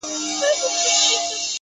ته يې جادو په شينكي خال كي ويــنې!